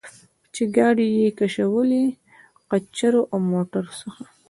چې ګاډۍ یې کشولې، قچرو او موټرو څخه.